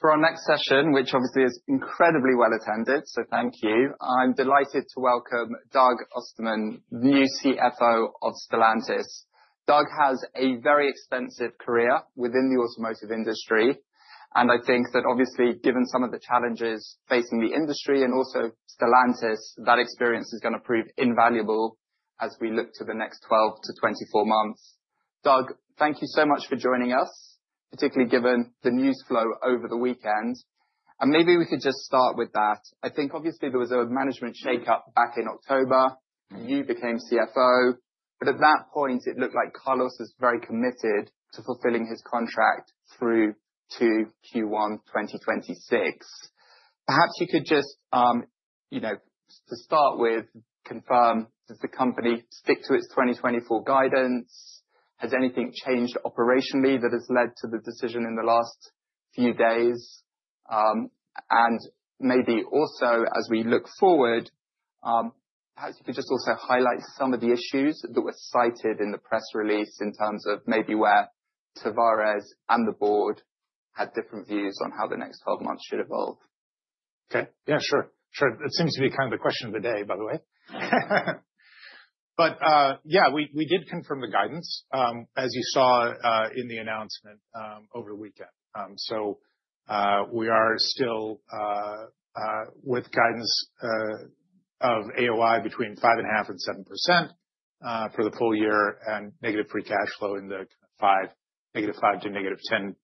For our next session, which obviously is incredibly well attended, so thank you. I'm delighted to welcome Doug Ostermann, new CFO of Stellantis. Doug has a very extensive career within the automotive industry, and I think that obviously, given some of the challenges facing the industry and also Stellantis, that experience is going to prove invaluable as we look to the next 12 months-24 months. Doug, thank you so much for joining us, particularly given the news flow over the weekend. And maybe we could just start with that. I think obviously there was a management shakeup back in October, and you became CFO, but at that point it looked like Carlos was very committed to fulfilling his contract through to Q1 2026. Perhaps you could just, you know, to start with, confirm, does the company stick to its 2024 guidance? Has anything changed operationally that has led to the decision in the last few days, and maybe also, as we look forward, perhaps you could just also highlight some of the issues that were cited in the press release in terms of maybe where Tavares and the board had different views on how the next 12 months should evolve? Okay. Yeah, sure. Sure. That seems to be kind of the question of the day, by the way. But yeah, we did confirm the guidance, as you saw in the announcement over the weekend. So we are still with guidance of AOI between 5.5% and 7% for the full year and negative free cash flow in the -$5 billion to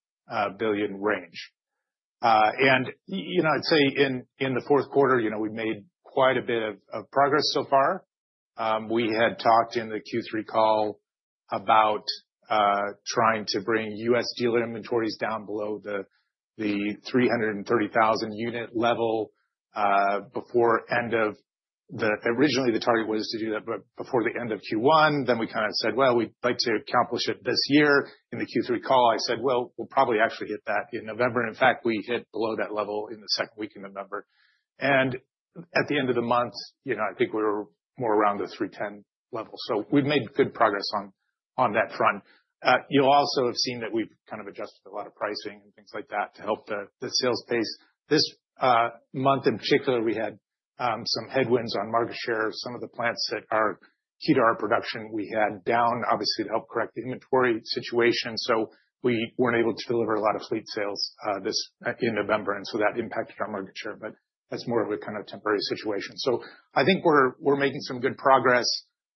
-$10 billion range. And, you know, I'd say in the fourth quarter, you know, we've made quite a bit of progress so far. We had talked in the Q3 call about trying to bring U.S. dealer inventories down below the 330,000 unit level before the end of the. Originally the target was to do that before the end of Q1. Then we kind of said, well, we'd like to accomplish it this year. In the Q3 call, I said, well, we'll probably actually hit that in November. In fact, we hit below that level in the second week in November. At the end of the month, you know, I think we were more around the 310 level. We've made good progress on that front. You'll also have seen that we've kind of adjusted a lot of pricing and things like that to help the sales pace. This month in particular, we had some headwinds on market share. Some of the plants that are key to our production, we had down, obviously, to help correct the inventory situation. We weren't able to deliver a lot of fleet sales this in November, and so that impacted our market share. But that's more of a kind of temporary situation. I think we're making some good progress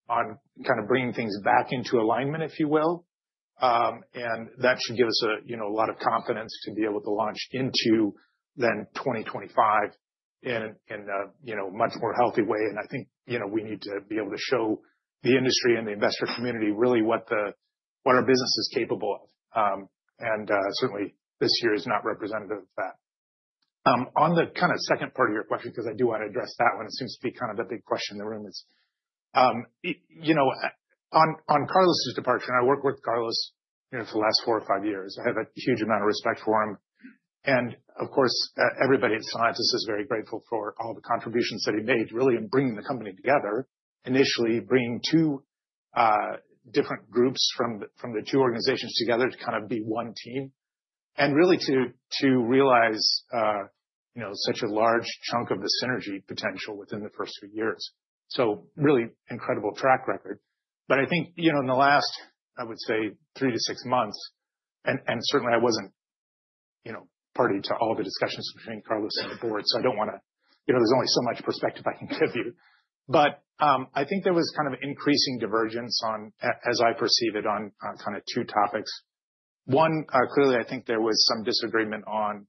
on kind of bringing things back into alignment, if you will. And that should give us a, you know, a lot of confidence to be able to launch into then 2025 in a, you know, much more healthy way. And I think, you know, we need to be able to show the industry and the investor community really what our business is capable of. And certainly this year is not representative of that. On the kind of second part of your question, because I do want to address that one, it seems to be kind of the big question in the room is, you know, on Carlos's departure, and I worked with Carlos for the last four or five years. I have a huge amount of respect for him. And of course, everybody at Stellantis is very grateful for all the contributions that he made really in bringing the company together, initially bringing two different groups from the two organizations together to kind of be one team, and really to realize, you know, such a large chunk of the synergy potential within the first few years. So really incredible track record. But I think, you know, in the last, I would say, three to six months, and certainly I wasn't, you know, party to all the discussions between Carlos and the board, so I don't want to, you know, there's only so much perspective I can give you. But I think there was kind of increasing divergence on, as I perceive it, on kind of two topics. One, clearly I think there was some disagreement on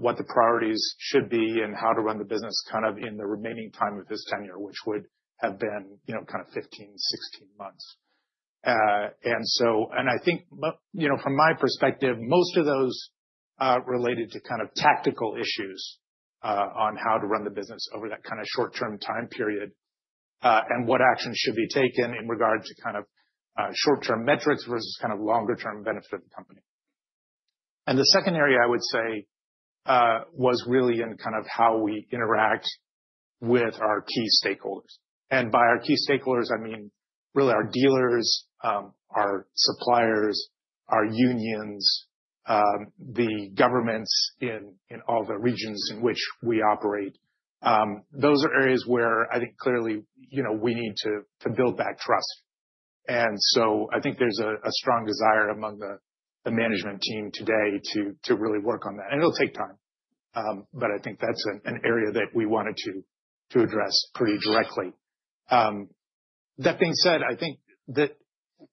what the priorities should be and how to run the business kind of in the remaining time of his tenure, which would have been, you know, kind of 15, 16 months, and so, and I think, you know, from my perspective, most of those related to kind of tactical issues on how to run the business over that kind of short-term time period and what action should be taken in regard to kind of short-term metrics versus kind of longer-term benefit of the company, and the second area I would say was really in kind of how we interact with our key stakeholders, and by our key stakeholders, I mean really our dealers, our suppliers, our unions, the governments in all the regions in which we operate. Those are areas where I think clearly, you know, we need to build back trust, and so I think there's a strong desire among the management team today to really work on that, and it'll take time, but I think that's an area that we wanted to address pretty directly. That being said, I think that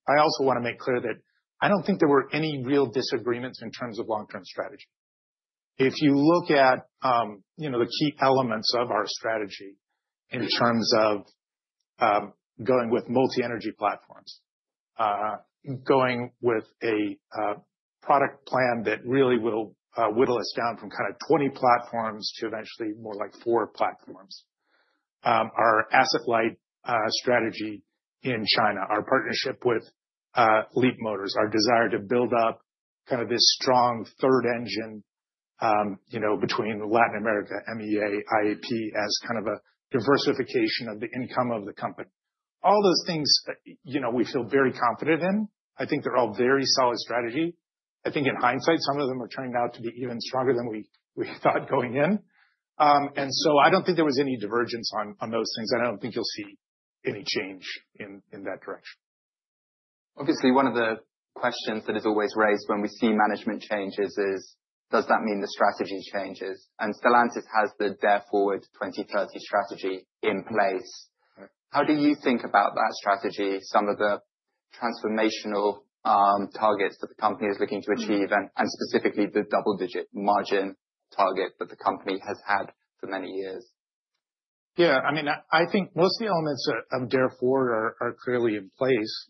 I also want to make clear that I don't think there were any real disagreements in terms of long-term strategy. If you look at, you know, the key elements of our strategy in terms of going with multi-energy platforms, going with a product plan that really will whittle us down from kind of 20 platforms to eventually more like four platforms, our asset light strategy in China, our partnership with Leapmotor, our desire to build up kind of this strong third engine, you know, between Latin America, MEA, IAP as kind of a diversification of the income of the company. All those things, you know, we feel very confident in. I think they're all very solid strategy. I think in hindsight, some of them are turning out to be even stronger than we thought going in. And so I don't think there was any divergence on those things. I don't think you'll see any change in that direction. Obviously, one of the questions that is always raised when we see management changes is, does that mean the strategy changes? And Stellantis has the Dare Forward 2030 strategy in place. How do you think about that strategy, some of the transformational targets that the company is looking to achieve, and specifically the double-digit margin target that the company has had for many years? Yeah, I mean, I think most of the elements of Dare Forward are clearly in place.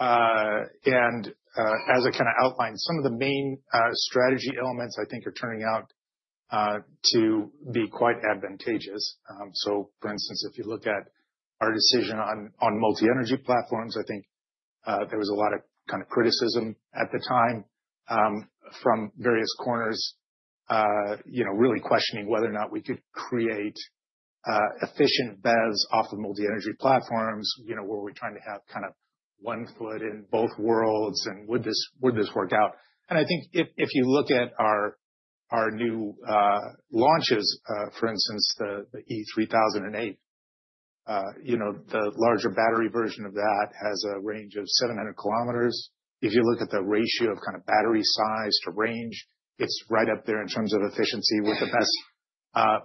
And as I kind of outlined, some of the main strategy elements I think are turning out to be quite advantageous. So for instance, if you look at our decision on multi-energy platforms, I think there was a lot of kind of criticism at the time from various corners, you know, really questioning whether or not we could create efficient BEVs off of multi-energy platforms, you know, were we trying to have kind of one foot in both worlds and would this work out? And I think if you look at our new launches, for instance, the E-3008, you know, the larger battery version of that has a range of 700 km. If you look at the ratio of kind of battery size to range, it's right up there in terms of efficiency with the best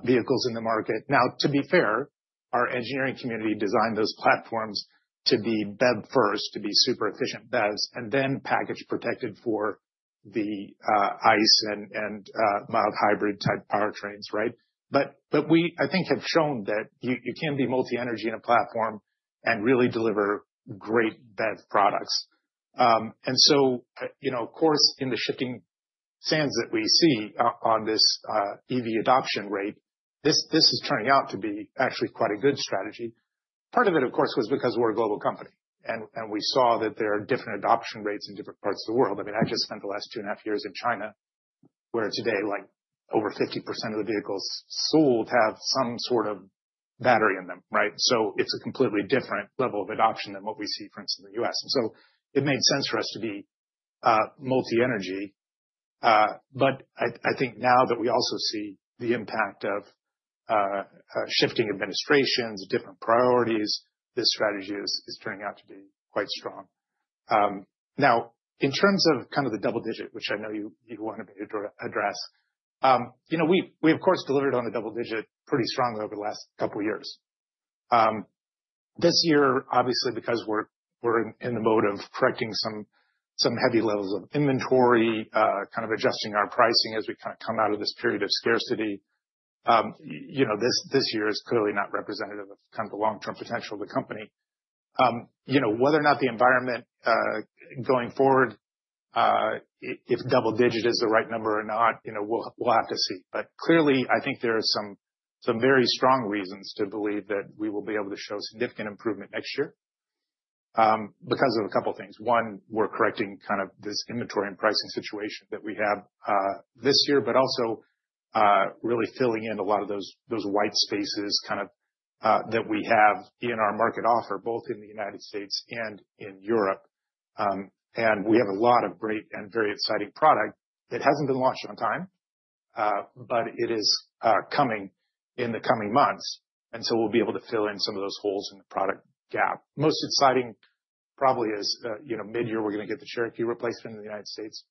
vehicles in the market. Now, to be fair, our engineering community designed those platforms to be BEV-first, to be super efficient BEVs, and then package protected for the ICE and mild hybrid type powertrains, right? But we, I think, have shown that you can be multi-energy in a platform and really deliver great BEV products. And so, you know, of course, in the shifting sands that we see on this EV adoption rate, this is turning out to be actually quite a good strategy. Part of it, of course, was because we're a global company and we saw that there are different adoption rates in different parts of the world. I mean, I just spent the last two and a half years in China where today, like over 50% of the vehicles sold have some sort of battery in them, right? So it's a completely different level of adoption than what we see, for instance, in the U.S., and so it made sense for us to be multi-energy. But I think now that we also see the impact of shifting administrations, different priorities, this strategy is turning out to be quite strong. Now, in terms of kind of the double digit, which I know you wanted me to address, you know, we of course delivered on the double digit pretty strongly over the last couple of years. This year, obviously, because we're in the mode of correcting some heavy levels of inventory, kind of adjusting our pricing as we kind of come out of this period of scarcity, you know, this year is clearly not representative of kind of the long-term potential of the company. You know, whether or not the environment going forward, if double digit is the right number or not, you know, we'll have to see. But clearly, I think there are some very strong reasons to believe that we will be able to show significant improvement next year because of a couple of things. One, we're correcting kind of this inventory and pricing situation that we have this year, but also really filling in a lot of those white spaces kind of that we have in our market offer, both in the United States and in Europe. We have a lot of great and very exciting product that hasn't been launched on time, but it is coming in the coming months. So we'll be able to fill in some of those holes in the product gap. Most exciting probably is, you know, mid-year we're going to get the Cherokee replacement in the United States.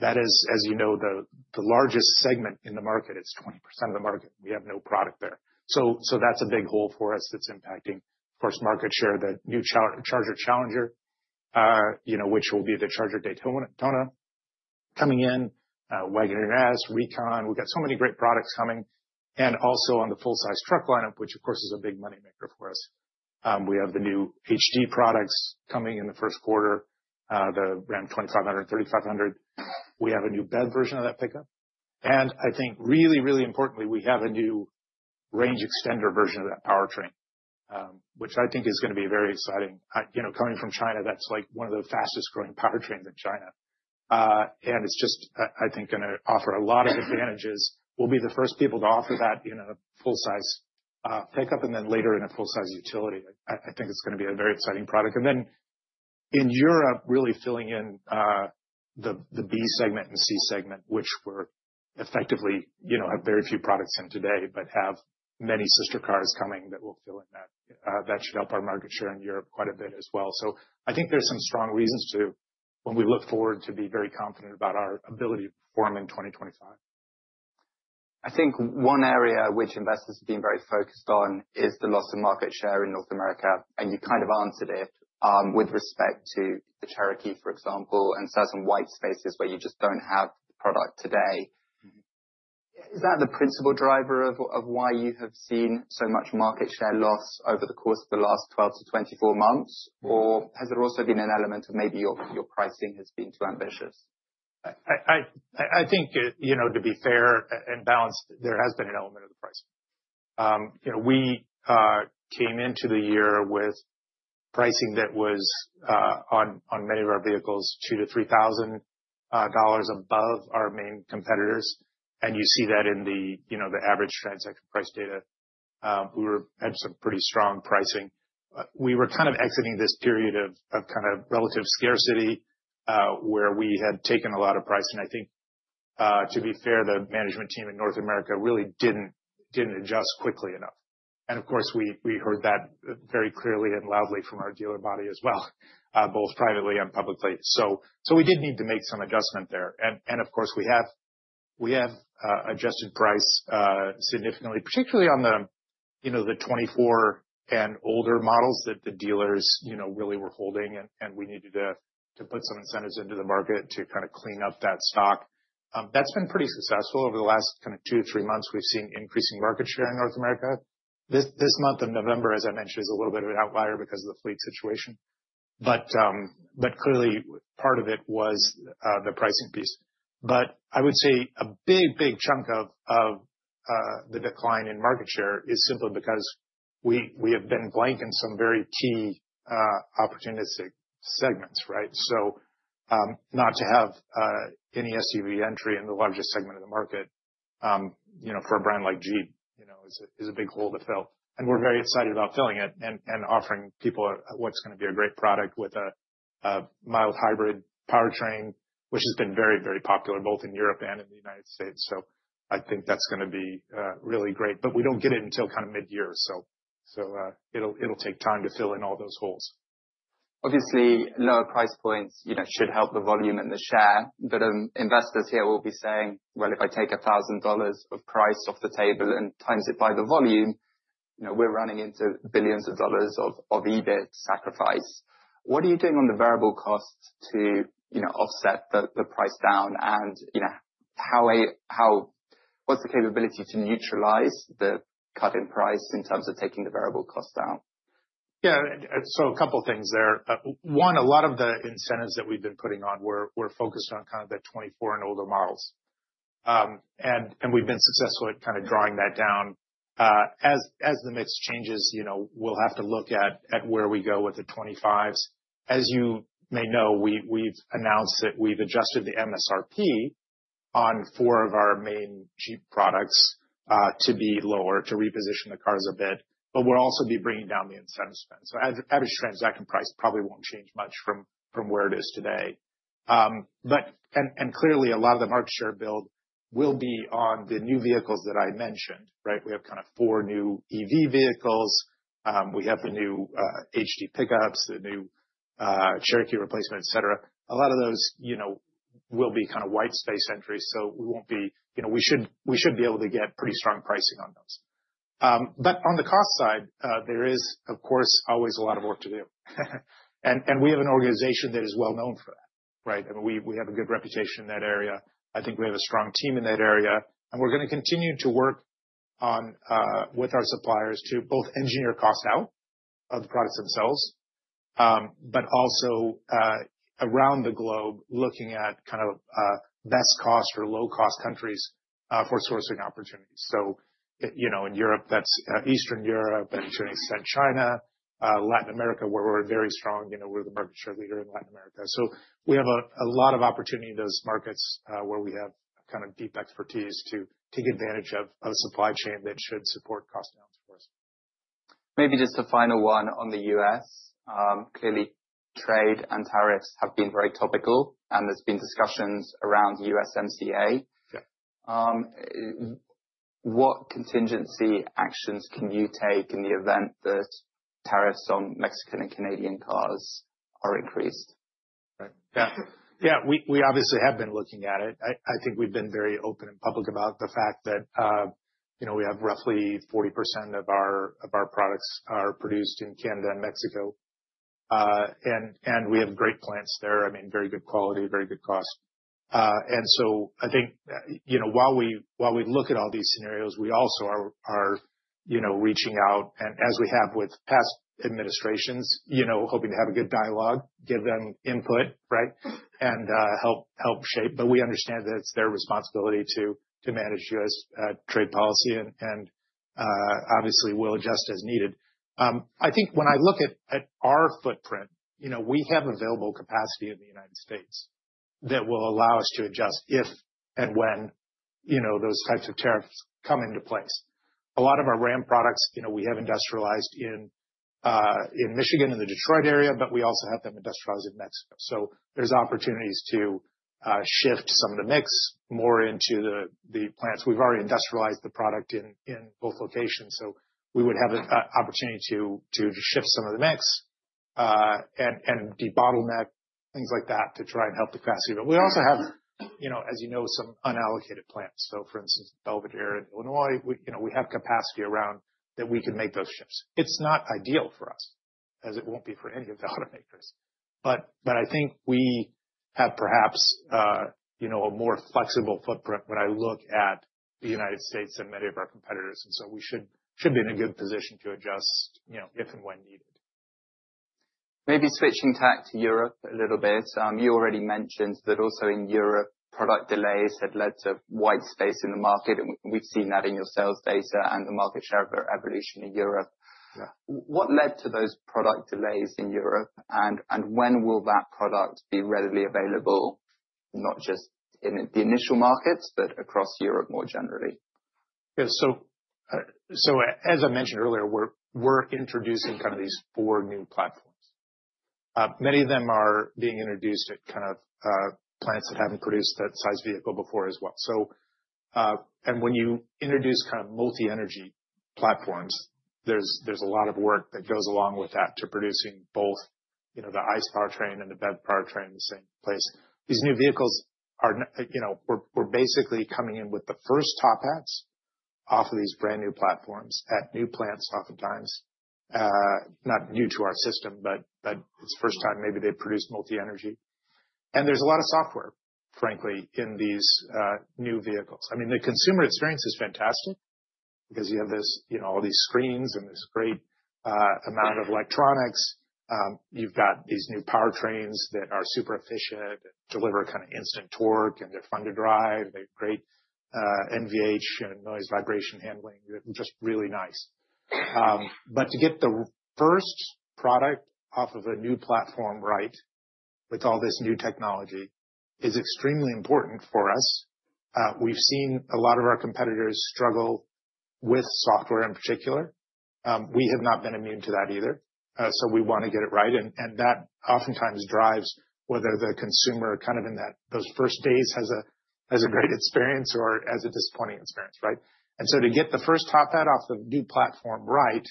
That is, as you know, the largest segment in the market. It's 20% of the market. We have no product there. So that's a big hole for us that's impacting, of course, market share, the new Charger Challenger, you know, which will be the Charger Daytona coming in, Wagoneer S, Recon. We've got so many great products coming. Also on the full-size truck lineup, which of course is a big moneymaker for us. We have the new HD products coming in the first quarter, the Ram 2500, 3500. We have a new BEV version of that pickup, and I think really, really importantly, we have a new range extender version of that powertrain, which I think is going to be very exciting. You know, coming from China, that's like one of the fastest growing powertrains in China. And it's just, I think, going to offer a lot of advantages. We'll be the first people to offer that in a full-size pickup and then later in a full-size utility. I think it's going to be a very exciting product, and then in Europe, really filling in the B-segment and C-segment, which we're effectively, you know, have very few products in today, but have many sister cars coming that will fill in that. That should help our market share in Europe quite a bit as well. I think there's some strong reasons to, when we look forward, to be very confident about our ability to perform in 2025. I think one area which investors have been very focused on is the loss of market share in North America, and you kind of answered it with respect to the Cherokee, for example, and certain white spaces where you just don't have product today. Is that the principal driver of why you have seen so much market share loss over the course of the last 12 months-24 months? Or has there also been an element of maybe your pricing has been too ambitious? I think, you know, to be fair and balanced, there has been an element of the pricing. You know, we came into the year with pricing that was on many of our vehicles $2,000-$3,000 above our main competitors. And you see that in the, you know, the average transaction price data. We had some pretty strong pricing. We were kind of exiting this period of kind of relative scarcity where we had taken a lot of pricing. I think, to be fair, the management team in North America really didn't adjust quickly enough. And of course, we heard that very clearly and loudly from our dealer body as well, both privately and publicly. So we did need to make some adjustment there. And of course, we have adjusted price significantly, particularly on the, you know, the 24 and older models that the dealers, you know, really were holding. And we needed to put some incentives into the market to kind of clean up that stock. That's been pretty successful. Over the last kind of two to three months, we've seen increasing market share in North America. This month of November, as I mentioned, is a little bit of an outlier because of the fleet situation. But clearly, part of it was the pricing piece. But I would say a big, big chunk of the decline in market share is simply because we have been blank in some very key opportunistic segments, right? So not to have any SUV entry in the largest segment of the market, you know, for a brand like Jeep, you know, is a big hole to fill. And we're very excited about filling it and offering people what's going to be a great product with a mild hybrid powertrain, which has been very, very popular both in Europe and in the United States. So I think that's going to be really great. But we don't get it until kind of mid-year. So it'll take time to fill in all those holes. Obviously, lower price points, you know, should help the volume and the share. But investors here will be saying, well, if I take $1,000 of price off the table and times it by the volume, you know, we're running into billions of dollars of EBIT sacrifice. What are you doing on the variable cost to, you know, offset the price down? And, you know, what's the capability to neutralize the cut in price in terms of taking the variable cost down? Yeah, so a couple of things there. One, a lot of the incentives that we've been putting on, we're focused on kind of the 2024 and older models. And we've been successful at kind of drawing that down. As the mix changes, you know, we'll have to look at where we go with the 2025s. As you may know, we've announced that we've adjusted the MSRP on four of our main Jeep products to be lower to reposition the cars a bit. But we'll also be bringing down the incentive spend. So average transaction price probably won't change much from where it is today. But clearly, a lot of the market share build will be on the new vehicles that I mentioned, right? We have kind of four new EV vehicles. We have the new HD pickups, the new Cherokee replacement, et cetera. A lot of those, you know, will be kind of white space entries. So we won't be, you know, we should be able to get pretty strong pricing on those. But on the cost side, there is, of course, always a lot of work to do, and we have an organization that is well known for that, right? I mean, we have a good reputation in that area. I think we have a strong team in that area, and we're going to continue to work with our suppliers to both engineer cost out of the products themselves, but also around the globe looking at kind of best cost or low-cost countries for sourcing opportunities. So, you know, in Europe, that's Eastern Europe and to an extent China, Latin America, where we're very strong, you know, we're the market share leader in Latin America. We have a lot of opportunity in those markets where we have kind of deep expertise to take advantage of a supply chain that should support cost downs for us. Maybe just a final one on the U.S. Clearly, trade and tariffs have been very topical, and there's been discussions around USMCA. What contingency actions can you take in the event that tariffs on Mexican and Canadian cars are increased? Yeah, yeah, we obviously have been looking at it. I think we've been very open and public about the fact that, you know, we have roughly 40% of our products produced in Canada and Mexico. And we have great plants there. I mean, very good quality, very good cost. And so I think, you know, while we look at all these scenarios, we also are, you know, reaching out. And as we have with past administrations, you know, hoping to have a good dialogue, give them input, right? And help shape. But we understand that it's their responsibility to manage U.S. trade policy. And obviously, we'll adjust as needed. I think when I look at our footprint, you know, we have available capacity in the United States that will allow us to adjust if and when, you know, those types of tariffs come into place. A lot of our Ram products, you know, we have industrialized in Michigan and the Detroit area, but we also have them industrialized in Mexico. So there's opportunities to shift some of the mix more into the plants. We've already industrialized the product in both locations. So we would have an opportunity to shift some of the mix and debottleneck things like that to try and help the capacity. But we also have, you know, as you know, some unallocated plants. So for instance, Belvidere in Illinois, you know, we have capacity around that we can make those shifts. It's not ideal for us, as it won't be for any of the automakers. But I think we have perhaps, you know, a more flexible footprint when I look at the United States and many of our competitors. And so we should be in a good position to adjust, you know, if and when needed. Maybe switching tack to Europe a little bit. You already mentioned that also in Europe, product delays had led to white space in the market. We've seen that in your sales data and the market share evolution in Europe. What led to those product delays in Europe? And when will that product be readily available, not just in the initial markets, but across Europe more generally? Yeah, so as I mentioned earlier, we're introducing kind of these four new platforms. Many of them are being introduced at kind of plants that haven't produced that size vehicle before as well. And when you introduce kind of multi-energy platforms, there's a lot of work that goes along with that to producing both, you know, the ICE powertrain and the BEV powertrain in the same place. These new vehicles are, you know, we're basically coming in with the first top hats off of these brand new platforms at new plants oftentimes, not new to our system, but it's the first time maybe they've produced multi-energy. And there's a lot of software, frankly, in these new vehicles. I mean, the consumer experience is fantastic because you have this, you know, all these screens and this great amount of electronics. You've got these new powertrains that are super efficient and deliver kind of instant torque and they're fun to drive. They have great NVH, you know, noise vibration harshness. They're just really nice. But to get the first product off of a new platform right with all this new technology is extremely important for us. We've seen a lot of our competitors struggle with software in particular. We have not been immune to that either. So we want to get it right. And that oftentimes drives whether the consumer kind of in those first days has a great experience or has a disappointing experience, right? And so to get the first top hat off the new platform right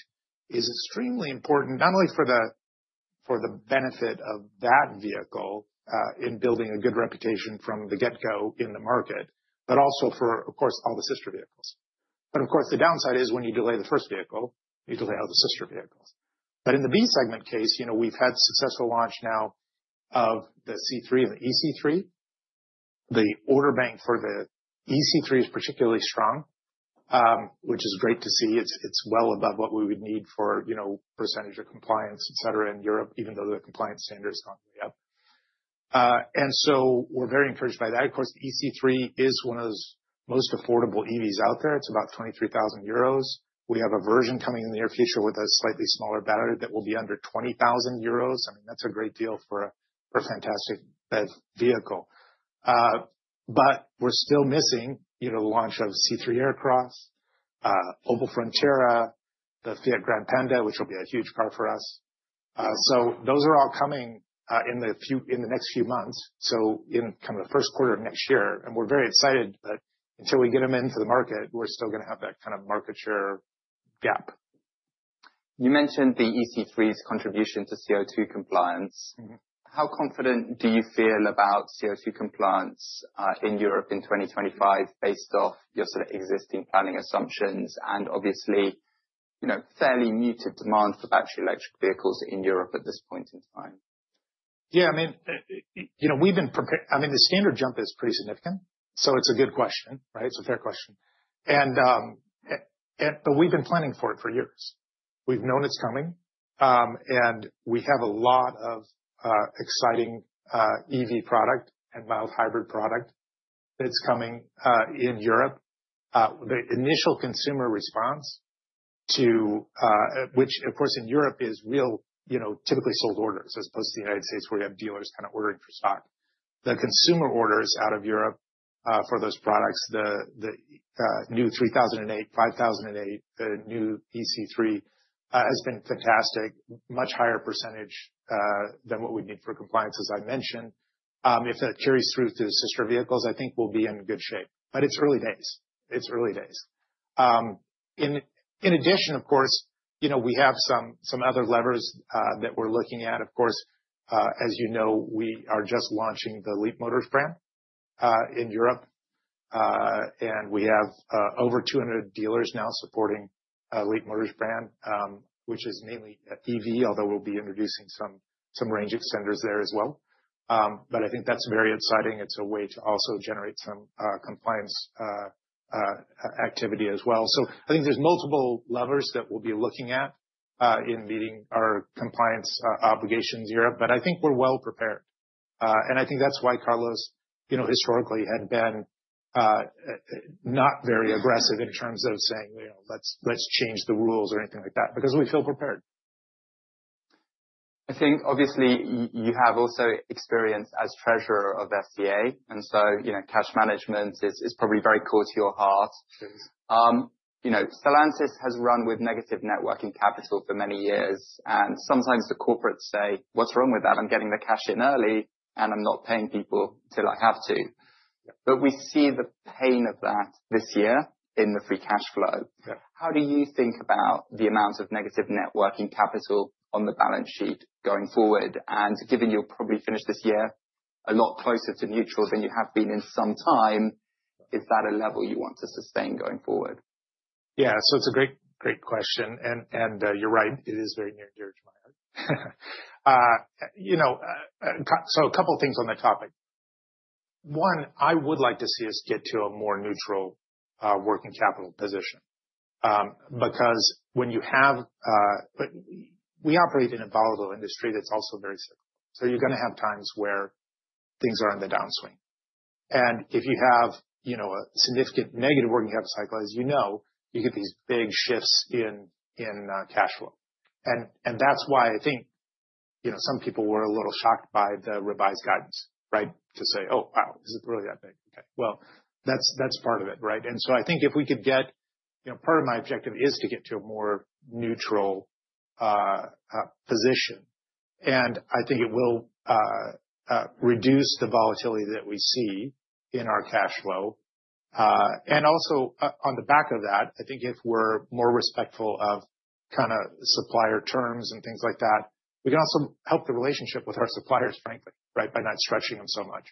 is extremely important, not only for the benefit of that vehicle in building a good reputation from the get-go in the market, but also for, of course, all the sister vehicles. But of course, the downside is when you delay the first vehicle, you delay all the sister vehicles. But in the B segment case, you know, we've had successful launch now of the C3 and the ë-C3. The order bank for the ë-C3 is particularly strong, which is great to see. It's well above what we would need for, you know, percentage of compliance, et cetera, in Europe, even though the compliance standard has gone way up. And so we're very encouraged by that. Of course, the ë-C3 is one of the most affordable EVs out there. It's about 23,000 euros. We have a version coming in the near future with a slightly smaller battery that will be under 20,000 euros. I mean, that's a great deal for a fantastic vehicle. But we're still missing, you know, the launch of C3 Aircross, Opel Frontera, the Fiat Grande Panda, which will be a huge car for us. So those are all coming in the next few months, so in kind of the first quarter of next year. And we're very excited that until we get them into the market, we're still going to have that kind of market share gap. You mentioned the ë-C3's contribution to CO2 compliance. How confident do you feel about CO2 compliance in Europe in 2025 based off your sort of existing planning assumptions and obviously, you know, fairly muted demand for battery electric vehicles in Europe at this point in time? Yeah, I mean, you know, we've been prepared. I mean, the standard jump is pretty significant. So it's a good question, right? It's a fair question. But we've been planning for it for years. We've known it's coming. And we have a lot of exciting EV product and mild hybrid product that's coming in Europe. The initial consumer response, which of course in Europe is real, you know, typically sold orders as opposed to the United States where you have dealers kind of ordering for stock. The consumer orders out of Europe for those products, the new 3008, 5008, the new ë-C3 has been fantastic, much higher percentage than what we'd need for compliance, as I mentioned. If that carries through to the sister vehicles, I think we'll be in good shape. But it's early days. It's early days. In addition, of course, you know, we have some other levers that we're looking at. Of course, as you know, we are just launching the Leapmotor brand in Europe, and we have over 200 dealers now supporting Leapmotor brand, which is mainly EV, although we'll be introducing some range extenders there as well, but I think that's very exciting. It's a way to also generate some compliance activity as well, so I think there's multiple levers that we'll be looking at in meeting our compliance obligations here, but I think we're well prepared, and I think that's why Carlos, you know, historically had been not very aggressive in terms of saying, you know, let's change the rules or anything like that, because we feel prepared. I think obviously you have also experience as treasurer of FCA, and so, you know, cash management is probably very core to your heart. You know, Stellantis has run with negative working capital for many years, and sometimes the corporates say, what's wrong with that? I'm getting the cash in early and I'm not paying people till I have to. But we see the pain of that this year in the free cash flow. How do you think about the amount of negative working capital on the balance sheet going forward, and given you'll probably finish this year a lot closer to neutral than you have been in some time, is that a level you want to sustain going forward? Yeah, so it's a great, great question, and you're right, it is very near and dear to my heart. You know, so a couple of things on the topic. One, I would like to see us get to a more neutral working capital position. Because when you have, we operate in a volatile industry that's also very cyclical, so you're going to have times where things are on the downswing, and if you have, you know, a significant negative working capital cycle, as you know, you get these big shifts in cash flow, and that's why I think, you know, some people were a little shocked by the revised guidance, right? To say, oh, wow, is it really that big? Okay, well, that's part of it, right, and so I think if we could get, you know, part of my objective is to get to a more neutral position. And I think it will reduce the volatility that we see in our cash flow. And also on the back of that, I think if we're more respectful of kind of supplier terms and things like that, we can also help the relationship with our suppliers, frankly, right? By not stretching them so much.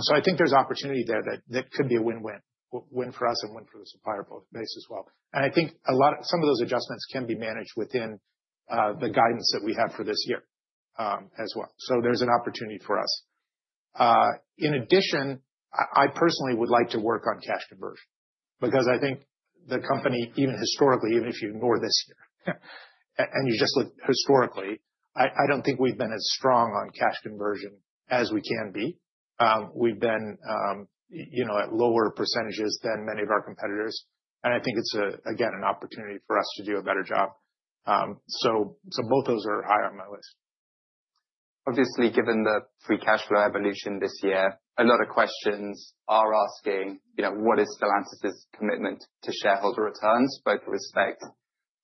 So I think there's opportunity there that could be a win-win, win for us and win for the supplier base as well. And I think some of those adjustments can be managed within the guidance that we have for this year as well. So there's an opportunity for us. In addition, I personally would like to work on cash conversion because I think the company, even historically, even if you ignore this year and you just look historically, I don't think we've been as strong on cash conversion as we can be. We've been, you know, at lower percentages than many of our competitors. And I think it's again an opportunity for us to do a better job. So both those are high on my list. Obviously, given the free cash flow evolution this year, a lot of questions are asking, you know, what is Stellantis's commitment to shareholder returns, both with respect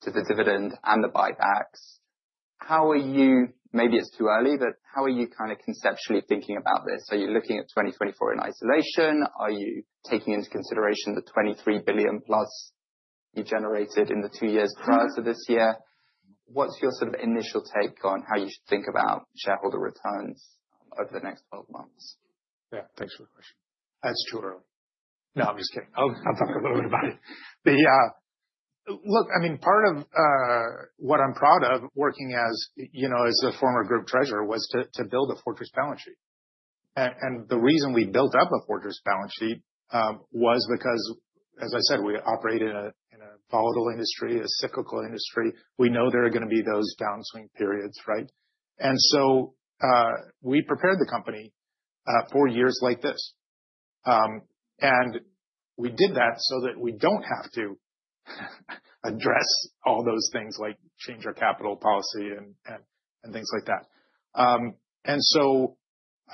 to the dividend and the buybacks? How are you, maybe it's too early, but how are you kind of conceptually thinking about this? Are you looking at 2024 in isolation? Are you taking into consideration the 23 billion plus you generated in the two years prior to this year? What's your sort of initial take on how you should think about shareholder returns over the next 12 months? Yeah, thanks for the question. That's too early. No, I'm just kidding. I'll talk a little bit about it. Look, I mean, part of what I'm proud of working as, you know, as a former group treasurer was to build a fortress balance sheet. And the reason we built up a fortress balance sheet was because, as I said, we operate in a volatile industry, a cyclical industry. We know there are going to be those downswing periods, right? And so we prepared the company for years like this. And we did that so that we don't have to address all those things like change our capital policy and things like that. And so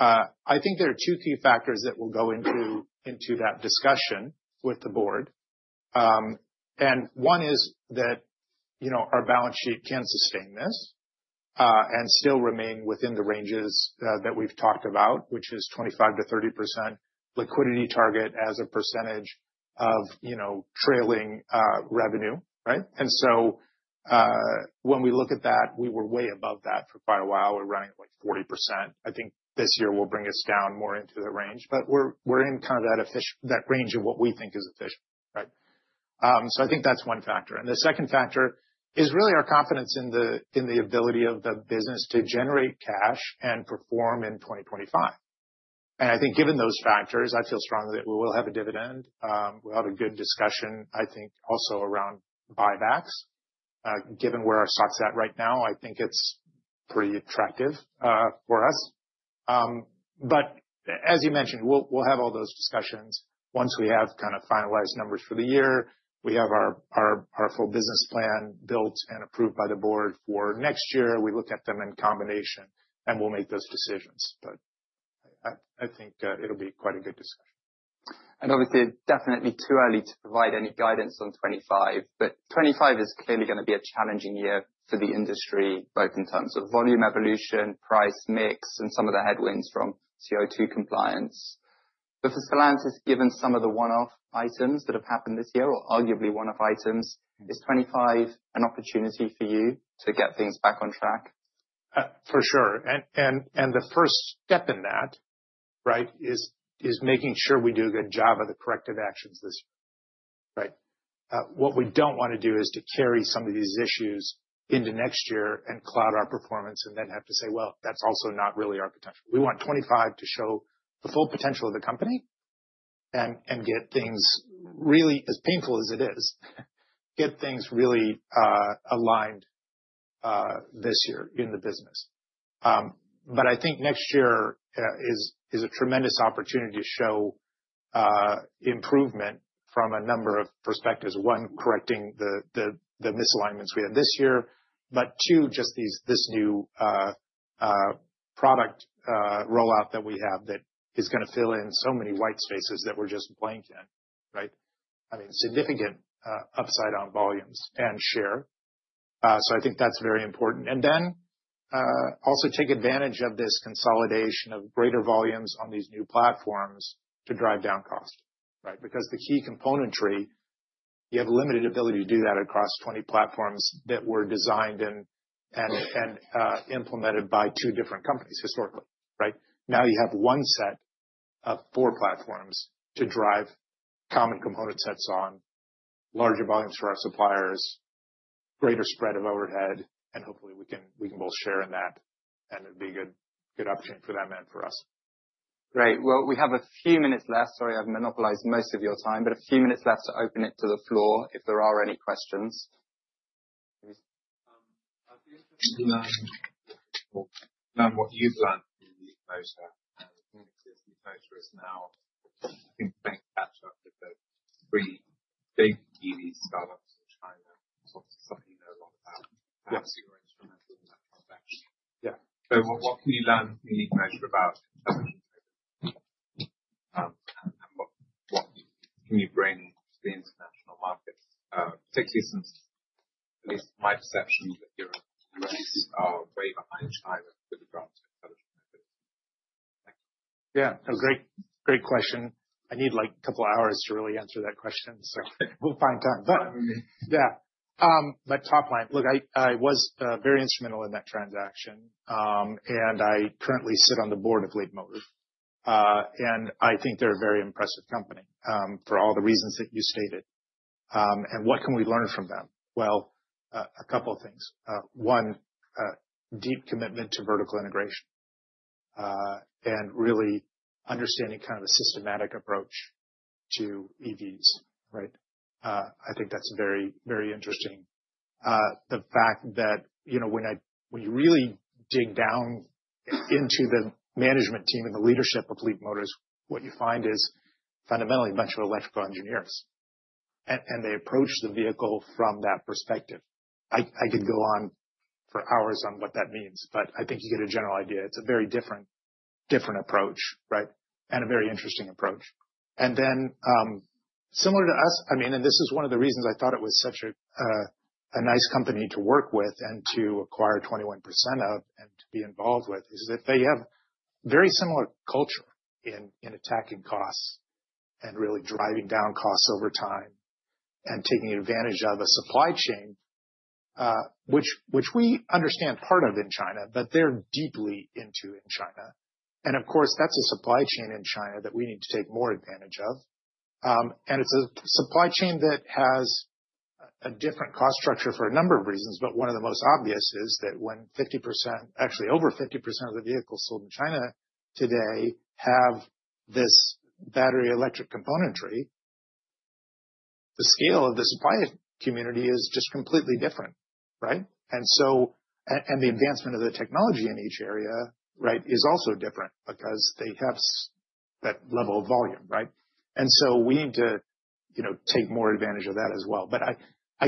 I think there are two key factors that will go into that discussion with the board. And one is that, you know, our balance sheet can sustain this and still remain within the ranges that we've talked about, which is 25%-30% liquidity target as a percentage of, you know, trailing revenue, right? And so when we look at that, we were way above that for quite a while. We're running at like 40%. I think this year will bring us down more into that range, but we're in kind of that range of what we think is efficient, right? So I think that's one factor. And the second factor is really our confidence in the ability of the business to generate cash and perform in 2025. And I think given those factors, I feel strongly that we will have a dividend. We'll have a good discussion, I think, also around buybacks. Given where our stock's at right now, I think it's pretty attractive for us. But as you mentioned, we'll have all those discussions. Once we have kind of finalized numbers for the year, we have our full business plan built and approved by the board for next year. We look at them in combination and we'll make those decisions. But I think it'll be quite a good discussion. Obviously, it's definitely too early to provide any guidance on 2025, but 2025 is clearly going to be a challenging year for the industry, both in terms of volume evolution, price mix, and some of the headwinds from CO2 compliance. For Stellantis, given some of the one-off items that have happened this year, or arguably one-off items, is 2025 an opportunity for you to get things back on track? For sure. And the first step in that, right, is making sure we do a good job of the corrective actions this year, right? What we don't want to do is to carry some of these issues into next year and cloud our performance and then have to say, well, that's also not really our potential. We want 2025 to show the full potential of the company and get things really, as painful as it is, get things really aligned this year in the business. But I think next year is a tremendous opportunity to show improvement from a number of perspectives. One, correcting the misalignments we had this year. But two, just this new product rollout that we have that is going to fill in so many white spaces that we're just blanking, right? I mean, significant upside on volumes and share. So I think that's very important. And then also take advantage of this consolidation of greater volumes on these new platforms to drive down cost, right? Because the key componentry, you have limited ability to do that across 20 platforms that were designed and implemented by two different companies historically, right? Now you have one set of four platforms to drive common component sets on, larger volumes for our suppliers, greater spread of overhead, and hopefully we can both share in that. And it'd be a good opportunity for them and for us. Great. Well, we have a few minutes left. Sorry, I've monopolized most of your time, but a few minutes left to open it to the floor if there are any questions. Learn what you've learned from Leapmotor. Leapmotor is now, I think, playing catch-up with the three big EV startups in China. It's obviously something you know a lot about. Perhaps you're instrumental in that context. Yeah. So what can you learn from Leapmotor about in terms of intelligence? And what can you bring to the international markets, particularly since, at least my perception, that the U.S. are way behind China with regard to intelligence? Yeah, that was a great question. I need like a couple of hours to really answer that question, so we'll find time. But yeah, my top line. Look, I was very instrumental in that transaction. And I currently sit on the board of Leapmotor. And I think they're a very impressive company for all the reasons that you stated. And what can we learn from them? Well, a couple of things. One, deep commitment to vertical integration and really understanding kind of a systematic approach to EVs, right? I think that's very, very interesting. The fact that, you know, when you really dig down into the management team and the leadership of Leapmotor, what you find is fundamentally a bunch of electrical engineers. And they approach the vehicle from that perspective. I could go on for hours on what that means, but I think you get a general idea. It's a very different approach, right? And a very interesting approach. And then similar to us, I mean, and this is one of the reasons I thought it was such a nice company to work with and to acquire 21% of and to be involved with, is that they have very similar culture in attacking costs and really driving down costs over time and taking advantage of a supply chain, which we understand part of in China, but they're deeply into in China. And of course, that's a supply chain in China that we need to take more advantage of. It's a supply chain that has a different cost structure for a number of reasons, but one of the most obvious is that when 50%, actually over 50% of the vehicles sold in China today have this battery electric componentry, the scale of the supply community is just completely different, right? And so the advancement of the technology in each area, right, is also different because they have that level of volume, right? And so we need to, you know, take more advantage of that as well. But I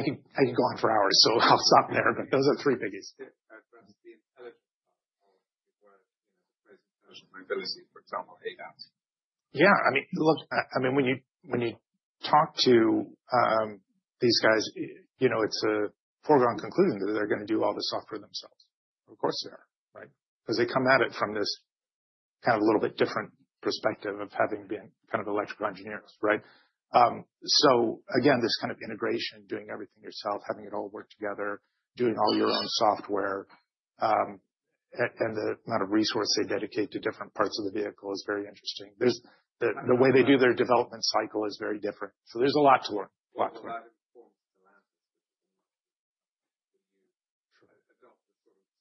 could go on for hours, so I'll stop there, but those are three biggies. Yeah, address the intelligence part of Leapmotor, you know, the presentation of mobility, for example, ADAS. Yeah, I mean, look, I mean, when you talk to these guys, you know, it's a foregone conclusion that they're going to do all the software themselves. Of course they are, right? Because they come at it from this kind of a little bit different perspective of having been kind of electrical engineers, right? So again, this kind of integration, doing everything yourself, having it all work together, doing all your own software, and the amount of resource they dedicate to different parts of the vehicle is very interesting. The way they do their development cycle is very different. So there's a lot to learn, a lot to learn. What about in the form of Stellantis, which is a much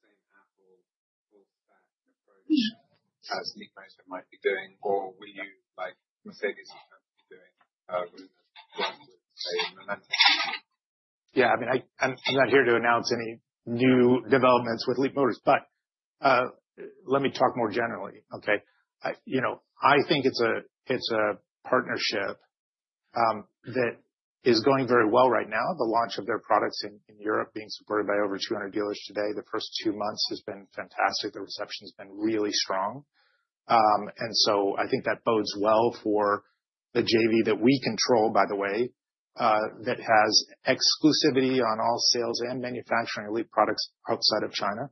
bigger company? Will you adopt the sort of same Apple full-stack approach as Leapmotor might be doing, or will you, like Mercedes would be doing, run with a momentum? Yeah, I mean, I'm not here to announce any new developments with Leapmotor, but let me talk more generally, okay? You know, I think it's a partnership that is going very well right now. The launch of their products in Europe, being supported by over 200 dealers today, the first two months has been fantastic. The reception has been really strong, and so I think that bodes well for the JV that we control, by the way, that has exclusivity on all sales and manufacturing of Leap products outside of China.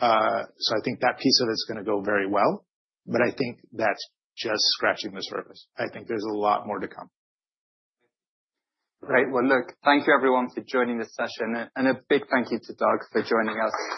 So I think that piece of it's going to go very well, but I think that's just scratching the surface. I think there's a lot more to come. Great. Well, look, thank you everyone for joining this session. And a big thank you to Doug for joining us.